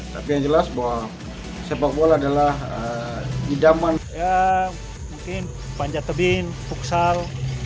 tapi yang jelas bahwa sepak bola adalah idaman mungkin panjat tebing puksal